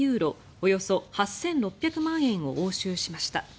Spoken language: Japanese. およそ８６００万円を押収しました。